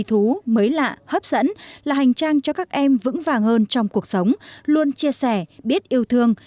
thú mới lạ hấp dẫn là hành trang cho các em vững vàng hơn trong cuộc sống luôn chia sẻ biết yêu thương